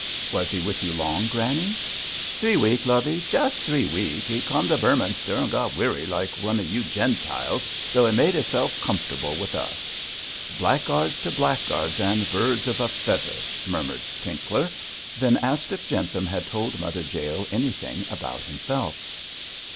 'Was he with you long, granny?' 'Three week, lovey, jus' three week. He cum to Beorminster and got weary like of you Gentiles, so he made hisself comforbal with us.' 'Blackguards to blackguards, and birds of a feather' murmured Tinkler; then asked if Jentham had told Mother Jael anything about himself.